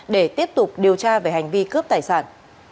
để tiếp tục điều tra về hành vi cướp tài sản